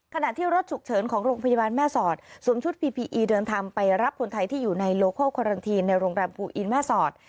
ขณะที่รถฉุกเฉินของโรงพยาบาลแม่สอดสวมชุดพีพีอีเดินทางไปรับคนไทยที่อยู่ในโลโคคอรันทีนในโรงแรมภูอินแม่สอด